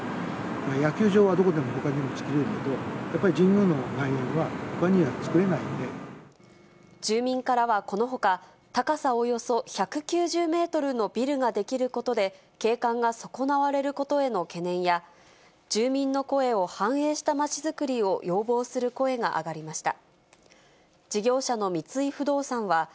野球場はどこでもほかにも作れるけど、やっぱり神宮の外苑は、住民からはこのほか、高さおよそ１９０メートルのビルが出来ることで、景観が損なわれることへの懸念や、住民の声を反映したまちづくりを要望する声が上がりました。